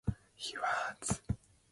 He was reelected six times.